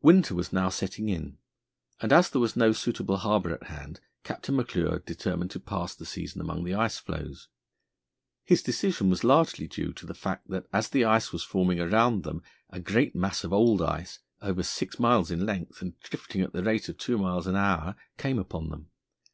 Winter was now setting in, and as there was no suitable harbour at hand, Captain McClure determined to pass the season amongst the ice floes. His decision was largely due to the fact that as the ice was forming around them, a great mass of old ice, over six miles in length and drifting at the rate of two miles an hour, came upon them.